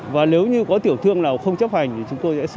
và nếu như có tiểu thương nào không chấp hành thì chúng tôi sẽ xử lý ngay